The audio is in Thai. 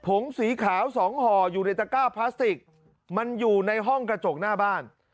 งสีขาวสองห่ออยู่ในตะก้าพลาสติกมันอยู่ในห้องกระจกหน้าบ้าน